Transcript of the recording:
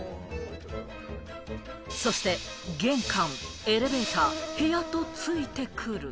そして玄関、エレベーター、部屋とついてくる。